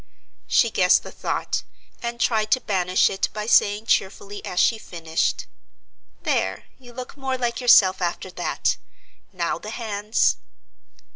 She guessed the thought, and tried to banish it by saying cheerfully as she finished: "There, you look more like yourself after that. Now the hands."